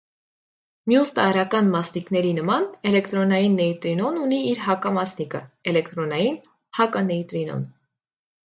Մյուս տարրական մասնիկների նման, էլեկտրոնային նեյտրինոն ունի իր հակամասնիկը՝ էլեկտրոնային հականեյտրինոն։